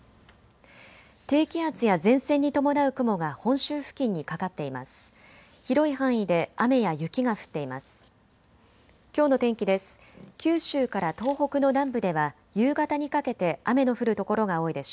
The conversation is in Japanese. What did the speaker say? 低気圧や前線に伴う雲が本州付近にかかっています。